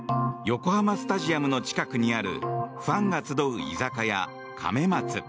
横浜スタジアムの近くにあるファンが集う居酒屋、亀松。